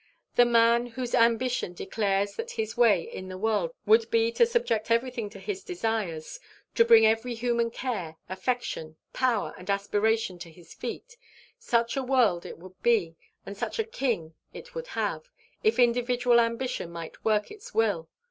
The man whose ambition declares that his way in the world would be to subject everything to his desires, to bring every human care, affection, power, and aspiration to his feet such a world it would be, and such a king it would have, if individual ambition might work its will!